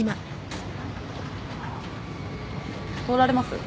通られます？